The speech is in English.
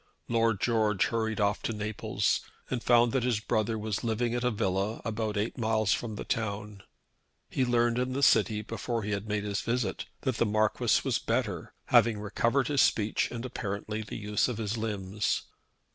Lord George hurried off to Naples, and found that his brother was living at a villa about eight miles from the town. He learned in the city, before he had made his visit, that the Marquis was better, having recovered his speech and apparently the use of his limbs.